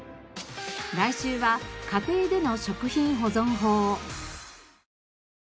来週は家庭での食品保存法。